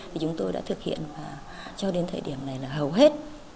thì chúng tôi đã thực hiện và cho đến thời điểm này là hầu hết